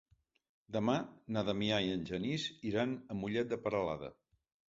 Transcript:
Demà na Damià i en Genís iran a Mollet de Peralada.